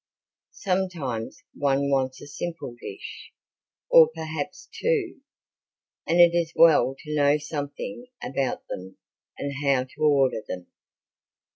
Sometimes one wants a simple dish, or perhaps two, and it is well to know something about them and how to order them.